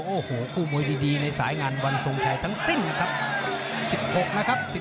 โอ้โหคู่มวยดีในสายงานวันทรงชัยทั้งสิ้นครับ